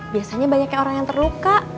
biasanya banyaknya orang yang terluka